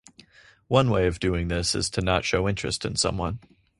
One way of doing this is to not show interest in someone.